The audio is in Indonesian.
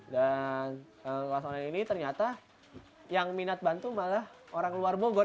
dan kelas online ini ternyata yang minat bantu malah orang luar bogor